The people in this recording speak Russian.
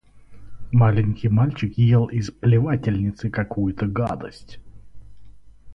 Маленький мальчик ел из плевательницы какую-то гадость.